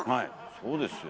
そうですよ。